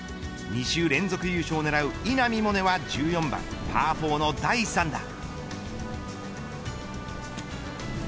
２週連続優勝を狙う稲見萌寧は１４番パー４の第３打。